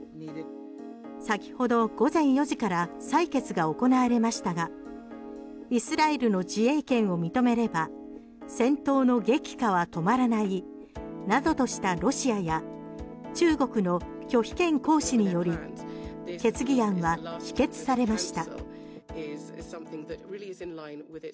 先ほど午前４時から採決が行われましたがイスラエルの自衛権を認めれば戦闘の激化は止まらないなどとしたロシアや中国の拒否権行使により決議案は否決されました。